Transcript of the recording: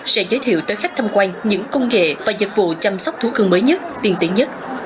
sẽ giới thiệu tới khách tham quan những công nghệ và dịch vụ chăm sóc thú cưng mới nhất tiên tiến nhất